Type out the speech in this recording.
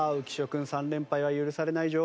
君３連敗は許されない状況。